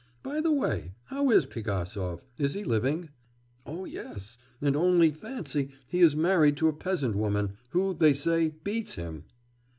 By the way, how is Pigasov, is he living?' 'Oh, yes; and only fancy, he is married to a peasant woman, who, they say, beats him.